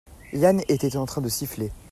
Yann était en train de siffler.